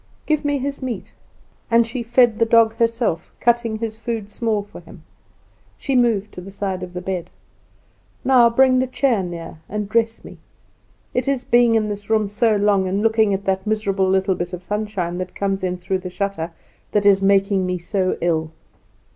"Give me his meat;" and she fed the dog herself, cutting his food small for him. She moved to the side of the bed. "Now bring the chair near and dress me. It is being in this room so long, and looking at that miserable little bit of sunshine that comes in through the shutter, that is making me so ill.